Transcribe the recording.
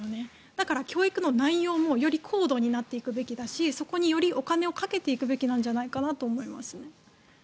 だから、教育の内容もより高度になっていくべきだしそこに、よりお金をかけていくべきだと思います。